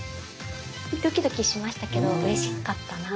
ドキドキしましたけどうれしかったな。